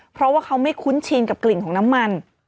เพราะว่าเขาไม่คุ้นชินกับกลิ่นของน้ำมัน